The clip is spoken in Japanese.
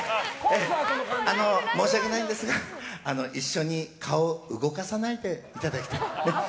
申し訳ないんですが、一緒に顔を動かさないでいただきたい。